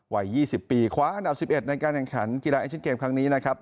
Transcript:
วัย๒๐ปีคว้าอันดับ๑๑ในการแข่งขันกีฬาเอเชียนเกมครั้งนี้นะครับ